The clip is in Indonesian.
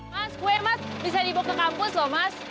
mas kue mas bisa dibawa ke kampus loh mas